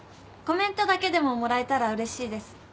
コメントだけでももらえたらうれしいです